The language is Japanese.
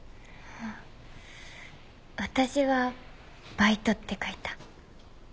私は「バイト」って書いた。